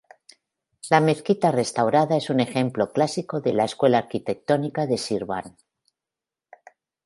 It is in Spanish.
La mezquita restaurada es un ejemplo clásico de la escuela arquitectónica de Shirvan.